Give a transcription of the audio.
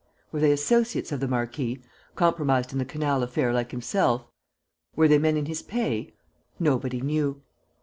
Were they associates of the marquis, compromised in the canal affair like himself? Were they men in his pay? Nobody knew.